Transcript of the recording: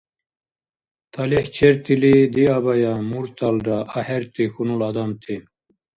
ТалихӀчертили диабая мурталра, ахӀерти хьунул адамти!